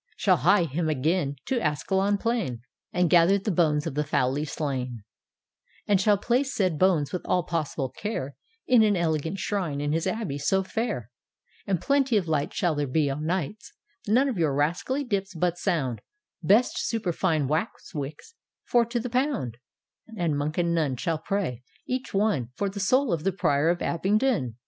Shall hie him again To Ascalon plain. And gather the bones of the foully slain ; And shall place said tiones, with all possible care, In an elegant shrine in his abbey so fair; And plenty of lights shall be there o' nights — None of your rascally ' dips,' but sound, Best superfine wax wicks, four to the pound; And Monk and Nun Shall pray, each one, For the soul of the Prior of Abingdon!